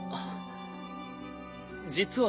実は。